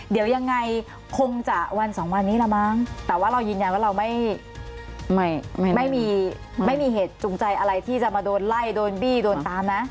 เดี๋ยวยังไงคงจะวันสองวันนี้ละมั้งแต่ว่าเรายืนยันว่าเราไม่มีไม่มีเหตุจูงใจอะไรที่จะมาโดนไล่โดนบี้โดนตามนะ